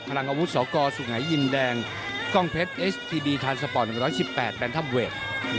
ลังอาวุธสกสุงัยยินแดงกล้องเพชรเอสทีดีทานสปอร์ต๑๑๘แนนทัมเวท